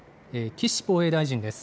岸防衛大臣です。